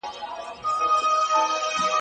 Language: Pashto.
که سياست د ځانګړي قشر په لاس کي وي ټولنه خرابيږي.